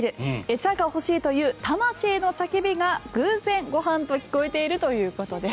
餌が欲しいという魂の叫びが偶然、ご飯と聞こえているということです。